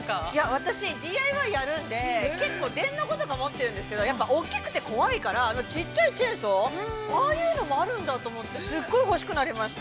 ◆私、ＤＩＹやるので結構電ノコとか持っているんですけど、大きくて怖いから、ちっちゃいチェーンソー、ああいうのもあるんだと思って、すっごい欲しくなりました。